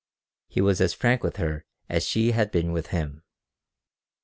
He was as frank with her as she had been with him.